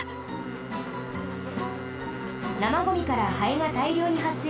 なまゴミからハエがたいりょうにはっせいし